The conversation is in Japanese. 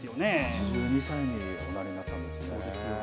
８２歳におなりになったんですね。